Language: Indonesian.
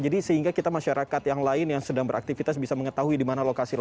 jadi sehingga kita masyarakat yang lain yang sedang beraktivitas bisa mengetahui di mana lokasi ini